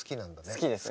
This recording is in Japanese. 好きですね。